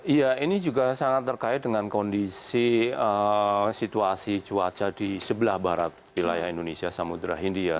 iya ini juga sangat terkait dengan kondisi situasi cuaca di sebelah barat wilayah indonesia samudera india